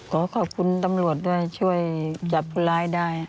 ขอขอบคุณตำรวจด้วยช่วยจับคนร้ายได้